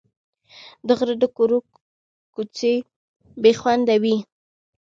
د غره د کورو کوڅې بې خونده وې.